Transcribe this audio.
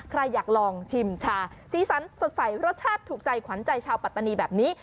ใครอยากลองชิมชาสีสันสดใสรสชาติถูกใจขวัญใจชาวปัตตานีแบบนี้